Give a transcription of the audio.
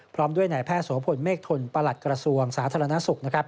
พร้อมด้วยนายแพทย์โสพลเมฆทนประหลัดกระทรวงสาธารณสุข